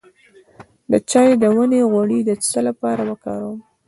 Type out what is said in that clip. د چای د ونې غوړي د څه لپاره وکاروم؟